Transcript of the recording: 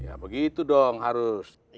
ya begitu dong harus